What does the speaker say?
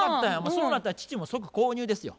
そうなったら父も即購入ですよ。